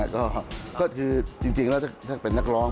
ก็คือจริงแล้วถ้าเป็นนักร้อง